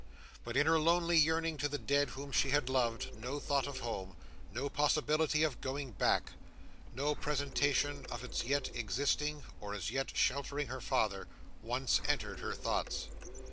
But in her lonely yearning to the dead whom she had loved, no thought of home—no possibility of going back—no presentation of it as yet existing, or as sheltering her father—once entered her thoughts.